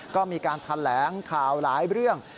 ก็มีการแถลงข่าวหลายเรื่อง